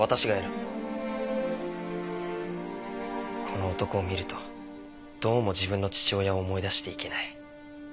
この男を見るとどうも自分の父親を思い出していけない。